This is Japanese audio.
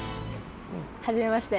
はじめまして。